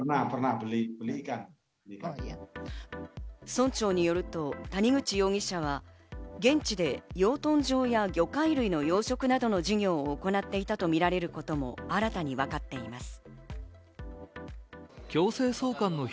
村長によると、谷口容疑者は現地で養豚場や魚介類の養殖などの事業を行っていたとみられることも新たにわかっています。